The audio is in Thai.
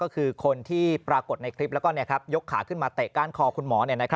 ก็คือคนที่ปรากฏในคลิปแล้วก็ยกขาขึ้นมาเตะก้านคอคุณหมอ